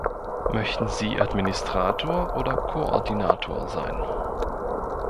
Möchten Sie Administrator oder Koordinator sein?